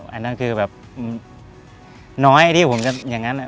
อันนั้นคือขึ้นน้อยที่ผมจะเป็นอย่างนั้น